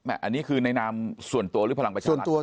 อันนี้คือในนามส่วนตัวหรือพลังประชารัฐ